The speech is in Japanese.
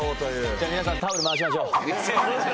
じゃあ皆さんタオル回しましょう。